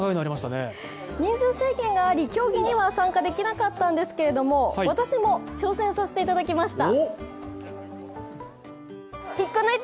人数制限があり、競技には参加できなかったんですけれども、私も挑戦させていただきました。